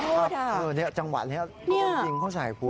เช่นนี้จังหวะนี้ก็เงินเขาใส่ผู้